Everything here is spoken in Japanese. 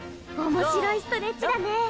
おもしろいストレッチだね。